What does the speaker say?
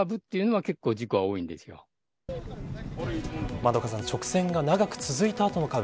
円香さん、直線が長く続いた後のカーブ